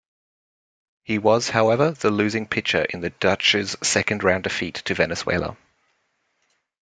He was, however, the losing pitcher in the Dutch's second-round defeat to Venezuela.